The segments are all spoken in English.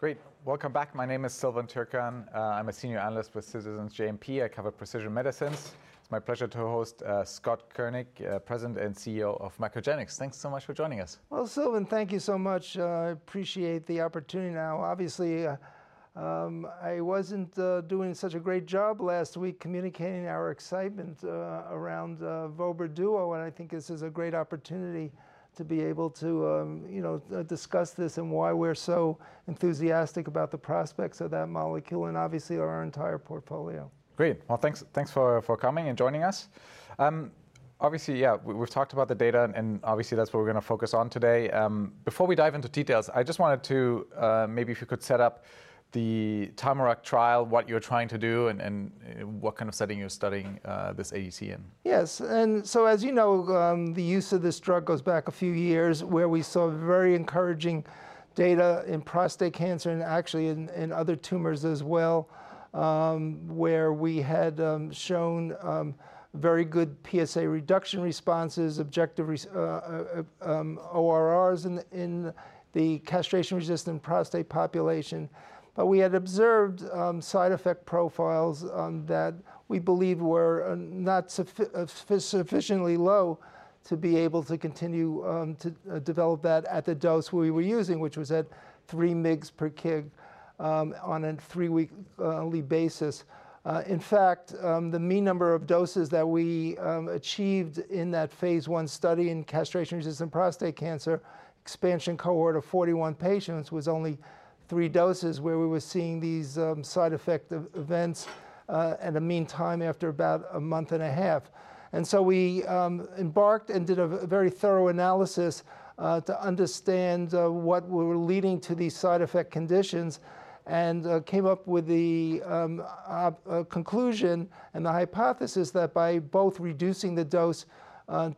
Great! Welcome back. My name is Silvan Tuerkcan. I'm a Senior Analyst with Citizens JMP. I cover Precision Medicines. It's my pleasure to host Scott Koenig, President and CEO of MacroGenics. Thanks so much for joining us. Well, Silvan, thank you so much. I appreciate the opportunity. Now, obviously, I wasn't doing such a great job last week communicating our excitement around vobra duo, and I think this is a great opportunity to be able to, you know, discuss this and why we're so enthusiastic about the prospects of that molecule and obviously our entire portfolio. Great. Well, thanks, thanks for, for coming and joining us. Obviously, yeah, we, we've talked about the data, and obviously, that's what we're gonna focus on today. Before we dive into details, I just wanted to. Maybe if you could set up the TAMARACK trial, what you're trying to do, and and what kind of setting you're studying this ADC in. Yes. And so, as you know, the use of this drug goes back a few years, where we saw very encouraging data in prostate cancer and actually in other tumors as well, where we had shown very good PSA reduction responses, objective ORRs in the castration-resistant prostate population. But we had observed side effect profiles that we believe were not sufficiently low to be able to continue to develop that at the dose we were using, which was at 3 mg per kg on a three-weekly basis. In fact, the mean number of doses that we achieved in that phase I study in castration-resistant prostate cancer expansion cohort of 41 patients was only three doses, where we were seeing these side effect events at a meantime after about a month and a half. We embarked and did a very thorough analysis to understand what were leading to these side effect conditions, and came up with the conclusion and the hypothesis that by both reducing the dose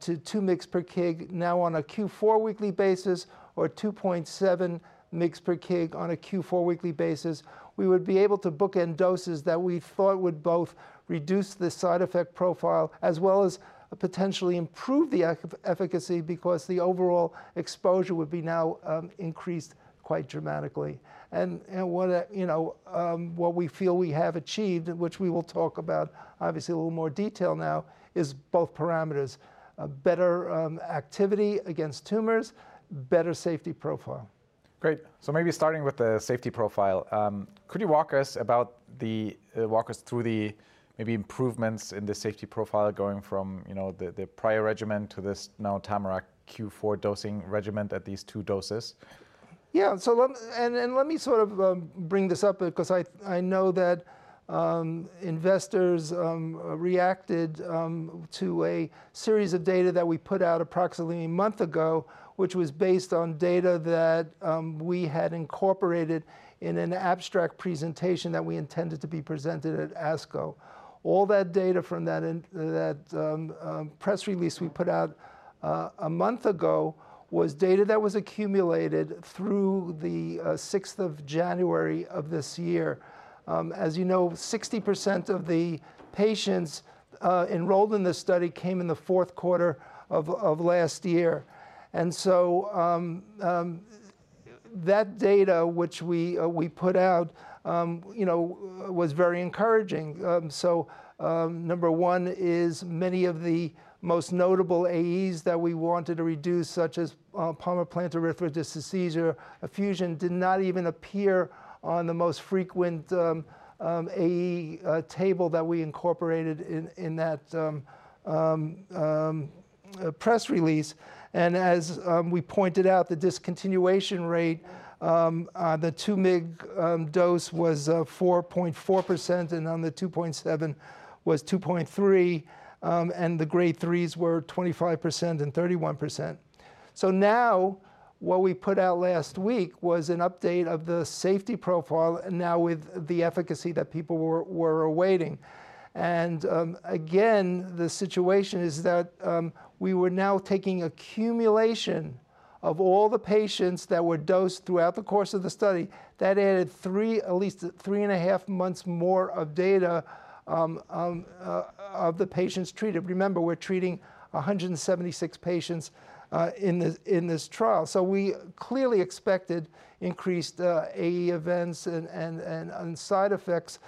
to 2 mg per kg now on a Q4 weekly basis, or 2.7 mg per kg on a Q4 weekly basis, we would be able to book in doses that we thought would both reduce the side effect profile, as well as potentially improve the efficacy because the overall exposure would be now increased quite dramatically. And what, you know, what we feel we have achieved, which we will talk about, obviously a little more detail now, is both parameters: a better activity against tumors, better safety profile. Great. So maybe starting with the safety profile, could you walk us through the maybe improvements in the safety profile going from, you know, the prior regimen to this now TAMARACK Q4 dosing regimen at these two doses? Yeah. So let me and let me sort of bring this up because I know that investors reacted to a series of data that we put out approximately a month ago, which was based on data that we had incorporated in an abstract presentation that we intended to be presented at ASCO. All that data from that in that press release we put out a month ago was data that was accumulated through the 6th of January of this year. As you know, 60% of the patients enrolled in this study came in the fourth quarter of last year. And so that data, which we put out, you know, was very encouraging. So, number one is many of the most notable AEs that we wanted to reduce, such as palmar-plantar erythrodysesthesia, effusion, did not even appear on the most frequent AE table that we incorporated in that press release. And as we pointed out, the discontinuation rate, the 2 mg dose was 4.4%, and on the 2.7 was 2.3%, and the Grade 3s were 25% and 31%. So now, what we put out last week was an update of the safety profile, now with the efficacy that people were awaiting. And again, the situation is that we were now taking accumulation of all the patients that were dosed throughout the course of the study. That added three, at least 3.5 months more of data of the patients treated. Remember, we're treating 176 patients in this trial. So we clearly expected increased AE events and side effects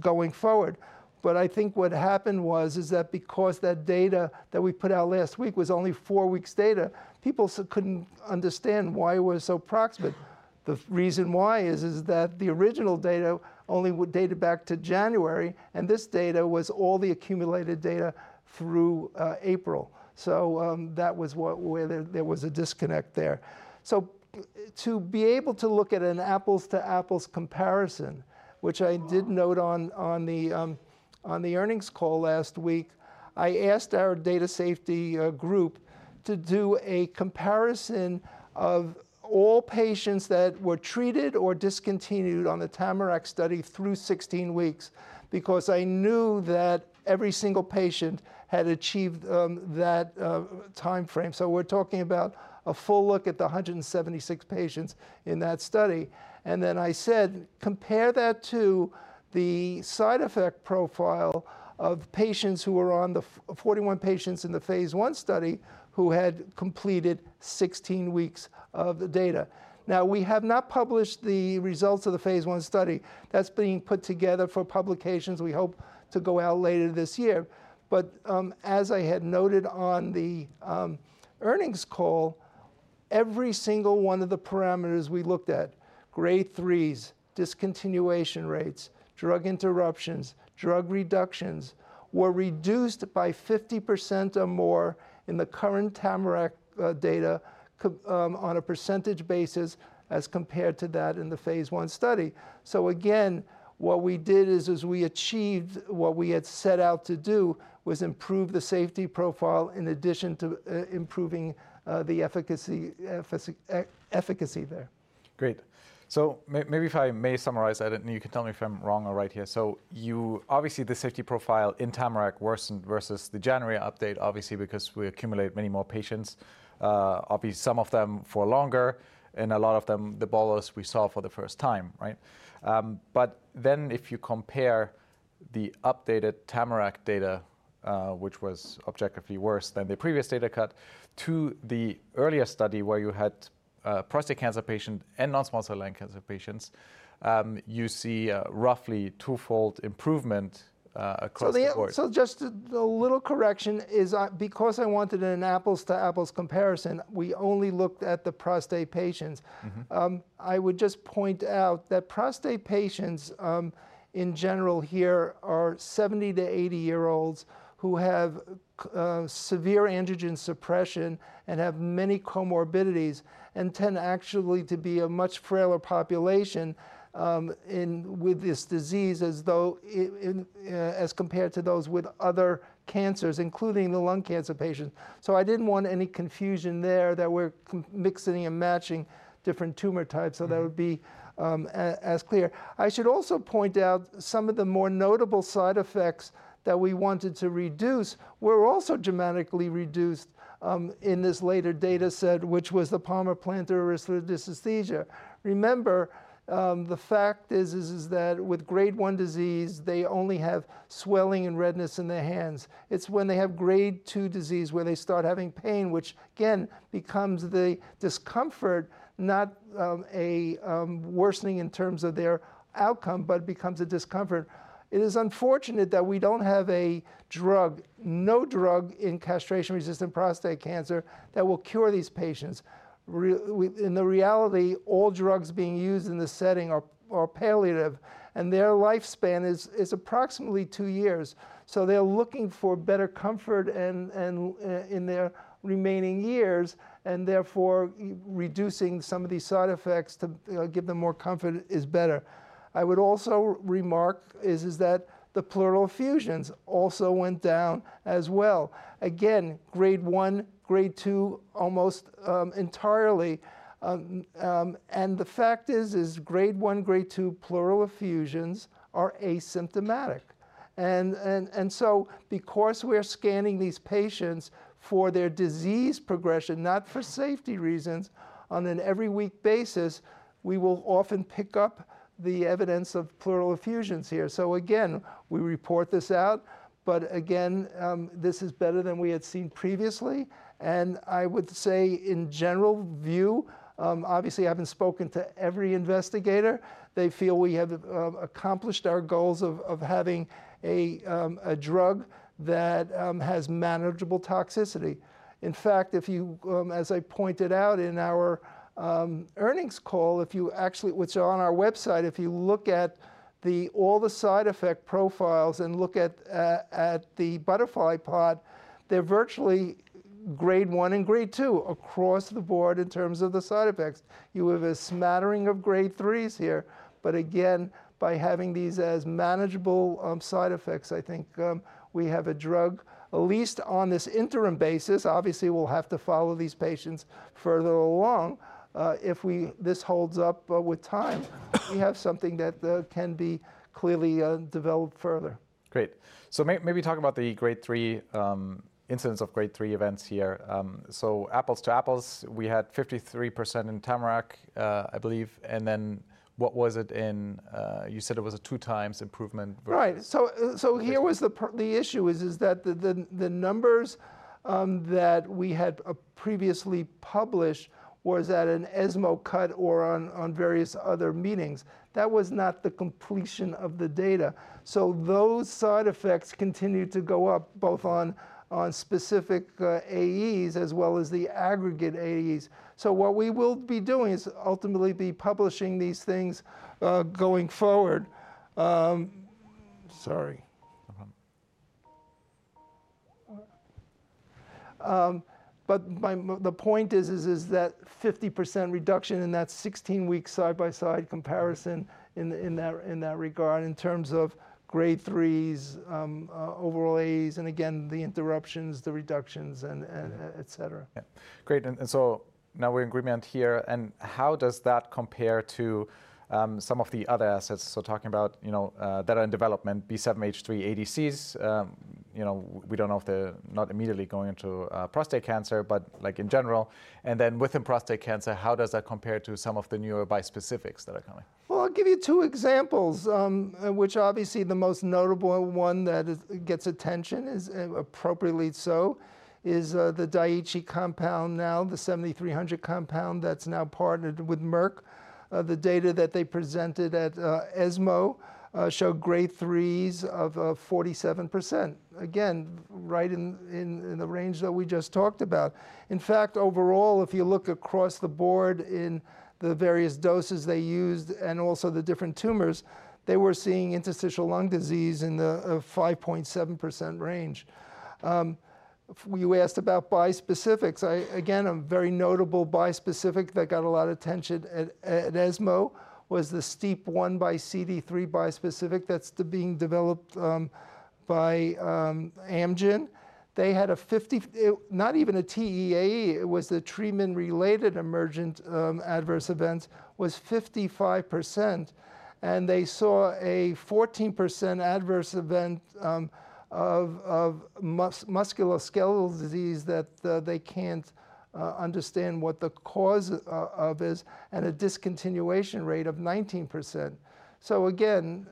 going forward. But I think what happened was, is that because that data that we put out last week was only four weeks data, people couldn't understand why it was so proximate. The reason why is, is that the original data only dated back to January, and this data was all the accumulated data through April. So, that was where there was a disconnect there. So to be able to look at an apples-to-apples comparison, which I did note on, on the, on the earnings call last week, I asked our data safety group to do a comparison of all patients that were treated or discontinued on the TAMARACK study through 16 weeks, because I knew that every single patient had achieved, that timeframe. So we're talking about a full look at the 176 patients in that study. And then I said, "Compare that to the side effect profile of patients who were on the 41 patients in the Phase I study, who had completed 16 weeks of the data." Now, we have not published the results of the Phase I study. That's being put together for publications we hope to go out later this year. But, as I had noted on the, earnings call Every single one of the parameters we looked at, Grade 3s, discontinuation rates, drug interruptions, drug reductions, were reduced by 50% or more in the current TAMARACK data on a percentage basis as compared to that in the Phase I study. So again, what we did is we achieved what we had set out to do, was improve the safety profile in addition to improving the efficacy there. Great. So maybe if I may summarize that, and you can tell me if I'm wrong or right here. So you, obviously, the safety profile in TAMARACK worsened versus the January update, obviously, because we accumulate many more patients. Obviously, some of them for longer, and a lot of them, the bolus we saw for the first time, right? But then if you compare the updated TAMARACK data, which was objectively worse than the previous data cut, to the earlier study where you had a prostate cancer patient and non-small cell lung cancer patients, you see a roughly twofold improvement, across the board. Just a little correction is, because I wanted an apples-to-apples comparison, we only looked at the prostate patients. Mm-hmm. I would just point out that prostate patients, in general here are 70-80-year-olds who have severe androgen suppression and have many comorbidities, and tend actually to be a much frailer population, with this disease, as compared to those with other cancers, including the lung cancer patients. So I didn't want any confusion there, that we're mixing and matching different tumor types. Mm-hmm So that would be as clear. I should also point out, some of the more notable side effects that we wanted to reduce were also dramatically reduced in this later data set, which was the palmar-plantar erythrodysesthesia. Remember, the fact is that with Grade 1 disease, they only have swelling and redness in their hands. It's when they have Grade 2 disease, where they start having pain, which again, becomes the discomfort, not a worsening in terms of their outcome, but becomes a discomfort. It is unfortunate that we don't have a drug, no drug in castration-resistant prostate cancer that will cure these patients. In reality, all drugs being used in this setting are palliative, and their lifespan is approximately two years. So they're looking for better comfort and in their remaining years, and therefore, reducing some of these side effects to, you know, give them more comfort is better. I would also remark is that the pleural effusions also went down as well. Again, Grade 1, Grade 2, almost entirely. And the fact is Grade 1, Grade 2 pleural effusions are asymptomatic. And so because we're scanning these patients for their disease progression, not for safety reasons, on an every week basis, we will often pick up the evidence of pleural effusions here. So again, we report this out, but again, this is better than we had seen previously. I would say, in general view, obviously, I haven't spoken to every investigator. They feel we have accomplished our goals of having a drug that has manageable toxicity. In fact, as I pointed out in our earnings call, if you actually which are on our website if you look at all the side effect profiles and look at the butterfly part, they're virtually Grade 1 and Grade 2 across the board in terms of the side effects. You have a smattering of Grade 3s here, but again, by having these as manageable side effects, I think we have a drug, at least on this interim basis. Obviously, we'll have to follow these patients further along. If this holds up with time, we have something that can be clearly developed further. Great. So maybe talk about the Grade 3 incidence of Grade 3 events here. So apples to apples, we had 53% in TAMARACK, I believe, and then what was it in. You said it was a two times improvement versus Right. So, here was the issue, is that the numbers that we had previously published was at an ESMO cut or on various other meetings. That was not the completion of the data. So those side effects continued to go up, both on specific AEs, as well as the aggregate AEs. So what we will be doing is ultimately be publishing these things going forward. Sorry. No problem. But the point is that 50% reduction in that 16-week side-by-side comparison Mm-hmm In that regard, in terms of Grade 3s, overall AEs, and again, the interruptions, the reductions, and, and Yeah et cetera. Yeah. Great, and so now we're in agreement here. And how does that compare to some of the other assets? So talking about, you know, that are in development, B7-H3 ADCs. You know, we don't know if they're not immediately going into prostate cancer, but, like, in general. And then within prostate cancer, how does that compare to some of the newer bispecifics that are coming? Well, I'll give you two examples. The most notable one that gets attention is, appropriately so, the Daiichi compound now, the 7300 compound that's now partnered with Merck. The data that they presented at ESMO showed Grade 3s of 47%. Again, right in the range that we just talked about. In fact, overall, if you look across the board in the various doses they used and also the different tumors, they were seeing interstitial lung disease in the 5.7% range. You asked about bispecifics. I again, a very notable bispecific that got a lot of attention at ESMO was the STEAP1 x CD3 bispecific that's being developed by Amgen. They had a 50 not even a TEAE, it was the treatment-related emergent adverse events, was 55%, and they saw a 14% adverse event of musculoskeletal disease that they can't understand what the cause of is, and a discontinuation rate of 19%. So again,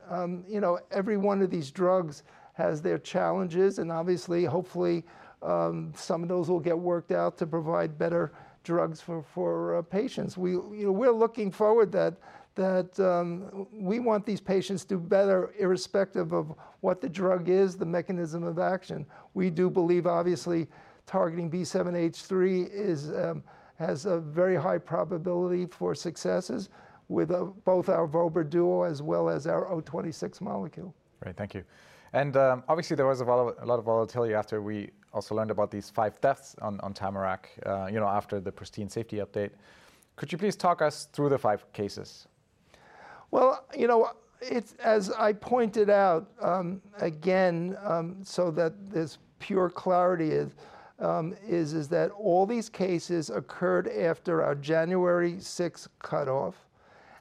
you know, every one of these drugs has their challenges, and obviously, hopefully, some of those will get worked out to provide better drugs for patients. We, you know, we're looking forward that we want these patients do better, irrespective of what the drug is, the mechanism of action. We do believe, obviously, targeting B7-H3 is has a very high probability for successes with both our vobra duo, as well as our O26 molecule. Right. Thank you. And, obviously, there was a lot of volatility after we also learned about these five deaths on TAMARACK, you know, after the preliminary safety update. Could you please talk us through the five cases? Well, you know, it's as I pointed out, again, so that there's pure clarity is that all these cases occurred after our January 6th cutoff,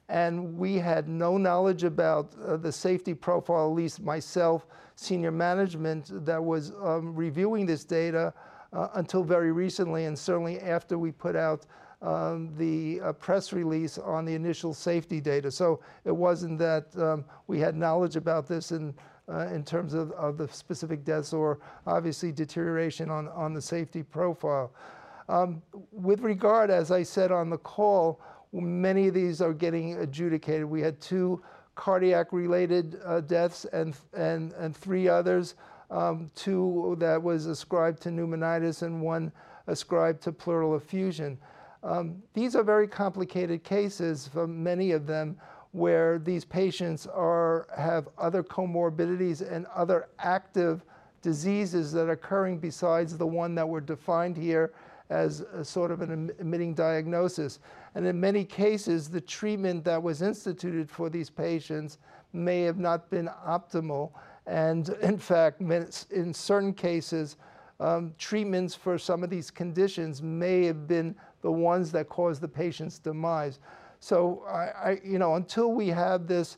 and we had no knowledge about the safety profile, at least myself, senior management, that was reviewing this data until very recently, and certainly after we put out the press release on the initial safety data. So it wasn't that we had knowledge about this in terms of the specific deaths or obviously deterioration on the safety profile. With regard, as I said on the call, many of these are getting adjudicated. We had two cardiac-related deaths and three others, two that was ascribed to pneumonitis and one ascribed to pleural effusion. These are very complicated cases for many of them, where these patients have other comorbidities and other active diseases that are occurring besides the one that were defined here as a sort of an admitting diagnosis. And in many cases, the treatment that was instituted for these patients may have not been optimal, and in fact, many in certain cases, treatments for some of these conditions may have been the ones that caused the patient's demise. So I, You know, until we have this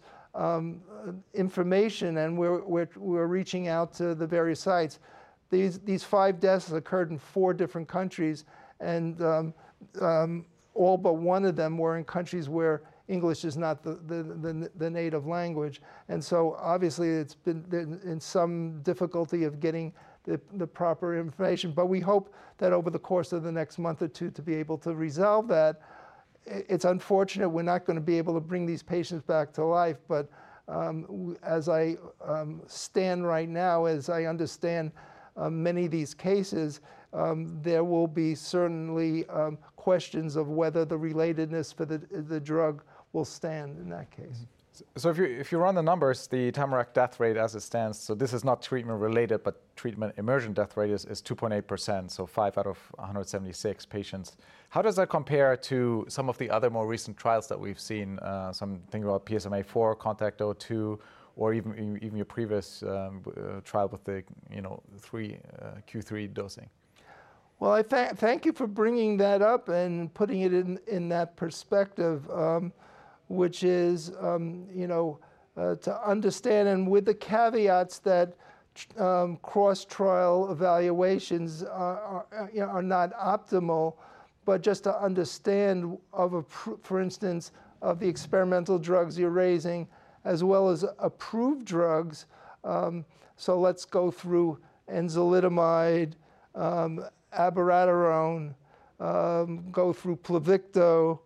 information, and we're reaching out to the various sites, these five deaths occurred in four different countries, and all but one of them were in countries where English is not the native language. And so obviously, it's been in some difficulty of getting the proper information. But we hope that over the course of the next month or two, to be able to resolve that. It's unfortunate we're not gonna be able to bring these patients back to life, but as it stands right now, as I understand, many of these cases, there will be certainly questions of whether the relatedness for the, the drug will stand in that case. So if you run the numbers, the TAMARACK death rate as it stands, so this is not treatment-related, but treatment emergent death rate is 2.8%, so five out of 176 patients. How does that compare to some of the other more recent trials that we've seen? Think about PSMAfore, CONTACT-02, or even your previous trial with the, you know, three Q3 dosing. Well, I thank you for bringing that up and putting it in that perspective, which is, you know, to understand, and with the caveats that cross-trial evaluations are, you know, not optimal, but just to understand for instance, of the experimental drugs you're raising, as well as approved drugs. So let's go through enzalutamide, abiraterone, go through Pluvicto.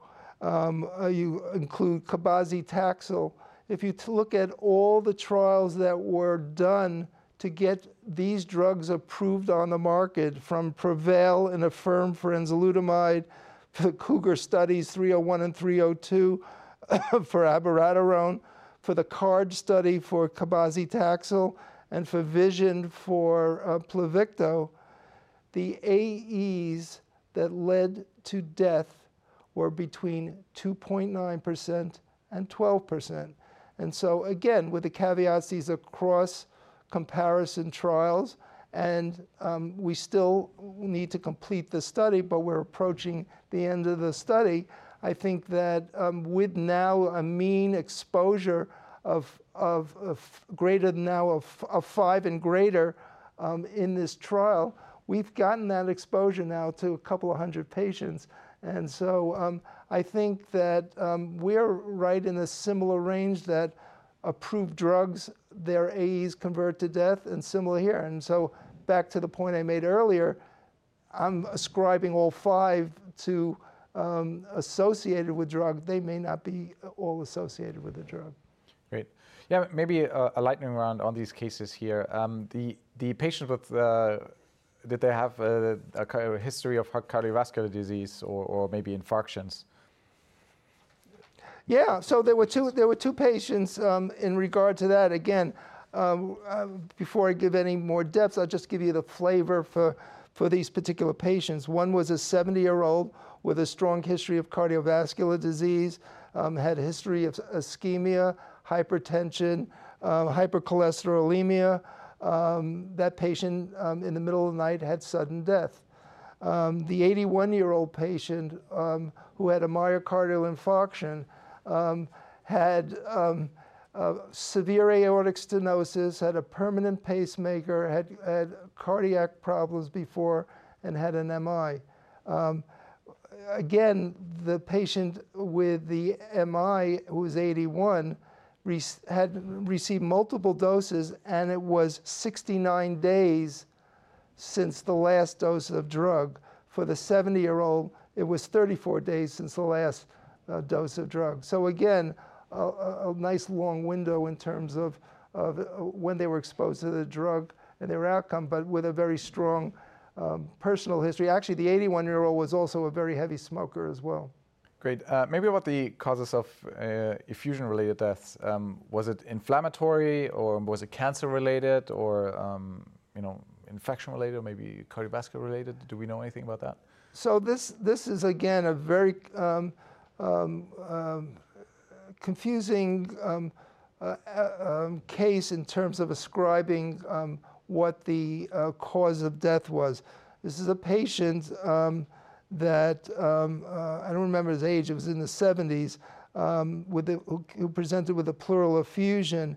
You include cabazitaxel. If you look at all the trials that were done to get these drugs approved on the market, from PREVAIL and AFFIRM for enzalutamide, to COUGAR studies 301 and 302, for abiraterone, for the CARD study for cabazitaxel, and for VISION for Pluvicto, the AEs that led to death were between 2.9%-12%. And so, again, with the caveats, these are cross-comparison trials, and we still need to complete the study, but we're approaching the end of the study. I think that, with now a mean exposure of greater than five and greater, in this trial, we've gotten that exposure now to a couple of hundred patients. And so, I think that, we're right in a similar range that approved drugs, their AEs convert to death, and similar here. And so back to the point I made earlier, I'm ascribing all five to associated with drug. They may not be all associated with the drug. Great. Yeah, maybe a lightning round on these cases here. The patient, did they have a cardio- history of heart cardiovascular disease or maybe infarctions? Yeah, so there were two, there were two patients in regard to that. Again, before I give any more depths, I'll just give you the flavor for these particular patients. One was a 70-year-old with a strong history of cardiovascular disease, had a history of ischemia, hypertension, hypercholesterolemia. That patient, in the middle of the night, had sudden death. The 81-year-old patient, who had a myocardial infarction, had severe aortic stenosis, had a permanent pacemaker, had cardiac problems before, and had an MI. Again, the patient with the MI, who was 81, had received multiple doses, and it was 69 days since the last dose of drug. For the 70-year-old, it was 34 days since the last dose of drug. So again, a nice long window in terms of when they were exposed to the drug and their outcome, but with a very strong personal history. Actually, the 81-year-old was also a very heavy smoker as well. Great. Maybe about the causes of effusion-related deaths. Was it inflammatory, or was it cancer-related or, you know, infection-related, or maybe cardiovascular related? Do we know anything about that? So this, this is, again, a very, confusing case in terms of ascribing what the cause of death was. This is a patient that I don't remember his age, it was in the 70s, who presented with a pleural effusion.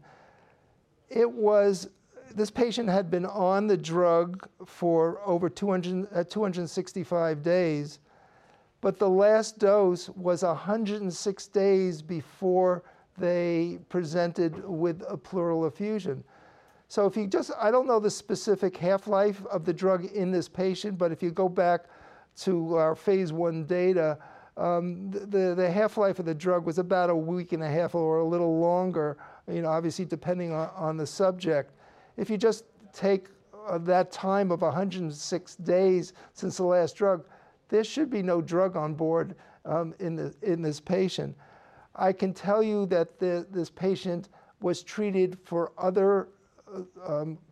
It was this patient had been on the drug for over 200, 265 days, but the last dose was 106 days before they presented with a pleural effusion. So if you just I don't know the specific half-life of the drug in this patient, but if you go back to our Phase I data, the half-life of the drug was about a week and a half or a little longer, you know, obviously, depending on the subject. If you just take that time of 106 days since the last drug, there should be no drug on board in this patient. I can tell you that this patient was treated for other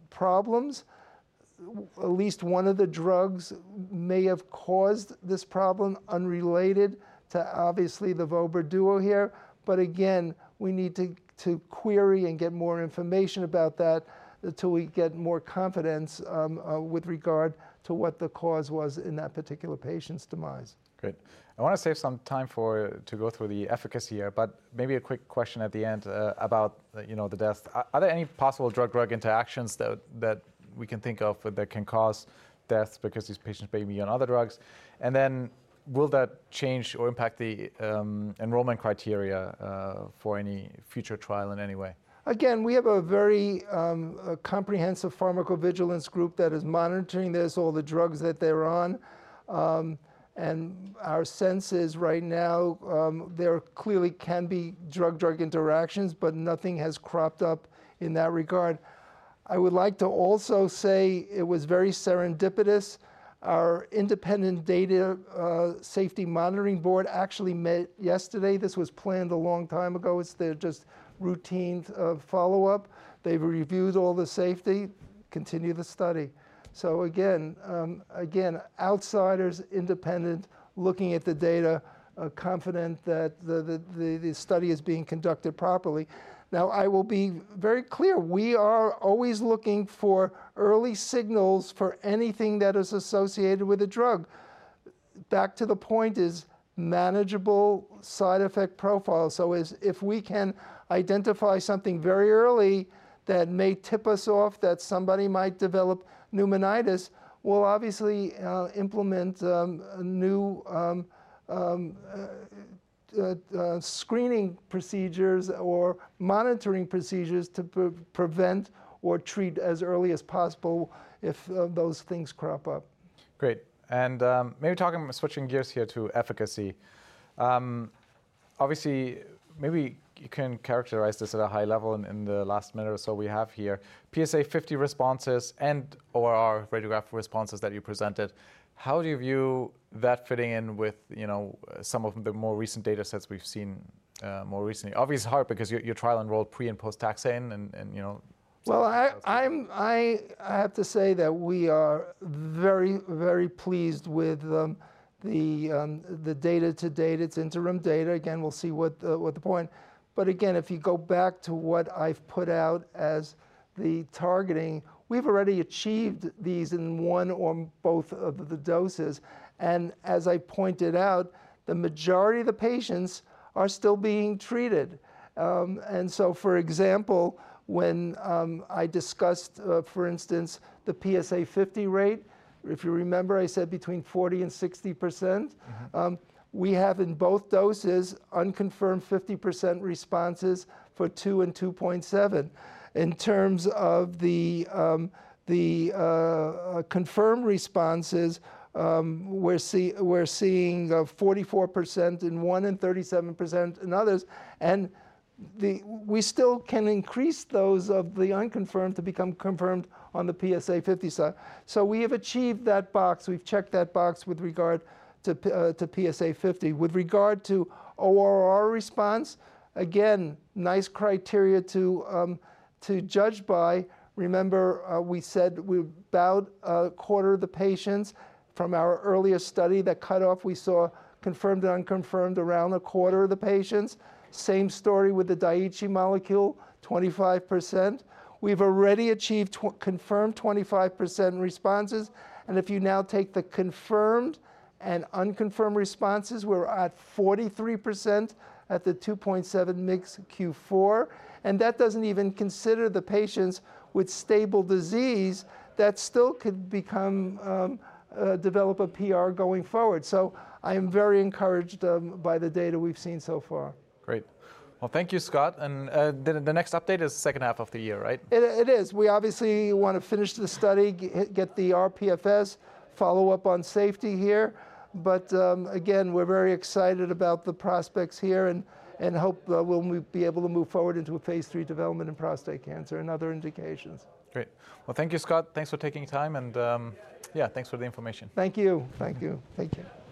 problems. At least one of the drugs may have caused this problem, unrelated to, obviously, the vobramitamab here. But again, we need to query and get more information about that until we get more confidence with regard to what the cause was in that particular patient's demise. Great. I want to save some time for to go through the efficacy here, but maybe a quick question at the end about, you know, the death. Are there any possible drug-drug interactions that we can think of that can cause deaths because these patients may be on other drugs? And then will that change or impact the enrollment criteria for any future trial in any way? Again, we have a very comprehensive pharmacovigilance group that is monitoring this, all the drugs that they're on. And our sense is, right now, there clearly can be drug-drug interactions, but nothing has cropped up in that regard. I would like to also say it was very serendipitous. Our independent data safety monitoring board actually met yesterday. This was planned a long time ago. It's their just routine follow-up. They've reviewed all the safety, continue the study. So again, outsiders, independent, looking at the data, are confident that the study is being conducted properly. Now, I will be very clear, we are always looking for early signals for anything that is associated with a drug. Back to the point is manageable side effect profile. So is If we can identify something very early that may tip us off that somebody might develop pneumonitis, we'll obviously implement a new screening procedures or monitoring procedures to prevent or treat as early as possible if those things crop up. Great. And maybe talking about switching gears here to efficacy. Obviously, maybe you can characterize this at a high level in the last minute or so we have here. PSA50 responses and ORR radiographic responses that you presented, how do you view that fitting in with, you know, some of the more recent data sets we've seen, more recently? Obviously, it's hard because your trial enrolled pre- and post-taxane, and you know Well, I have to say that we are very, very pleased with the data to date. It's interim data. Again, we'll see what the point. But again, if you go back to what I've put out as the targeting, we've already achieved these in one or both of the doses. And as I pointed out, the majority of the patients are still being treated. And so, for example, when I discussed, for instance, the PSA50 rate, if you remember, I said between 40%-60%. Mm-hmm. We have, in both doses, unconfirmed 50% responses for two and 2.7. In terms of the confirmed responses, we're seeing 44% in one and 37% in others, and the we still can increase those of the unconfirmed to become confirmed on the PSA50 side. So we have achieved that box. We've checked that box with regard to PSA50. With regard to ORR response, again, nice criteria to judge by. Remember, we said about a quarter of the patients from our earlier study, that cutoff we saw, confirmed and unconfirmed, around a quarter of the patients. Same story with the Daiichi molecule, 25%. We've already achieved confirmed 25% responses, and if you now take the confirmed and unconfirmed responses, we're at 43% at the 2.7 mg Q4, and that doesn't even consider the patients with stable disease that still could become, develop a PR going forward. So I am very encouraged by the data we've seen so far. Great. Well, thank you, Scott, and then the next update is the second half of the year, right? It is. We obviously want to finish the study, get the RPFS, follow up on safety here. But, again, we're very excited about the prospects here and hope we'll be able to move forward into a Phase III development in prostate cancer and other indications. Great. Well, thank you, Scott. Thanks for taking time, and yeah, thanks for the information. Thank you. Thank you. Thank you.